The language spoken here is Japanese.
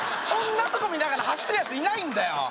そんなとこ見ながら走ってる奴いないんだよ